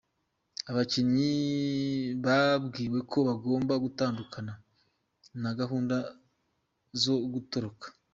Abakinnyi babwiwe ko bagomba gutandukana na gahunda zo gutoroka .